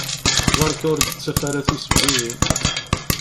Berka ur d-ttaf ara tisebbiwin!